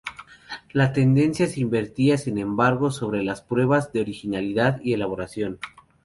La tendencia se invertía, sin embargo, sobre las pruebas de originalidad y elaboración.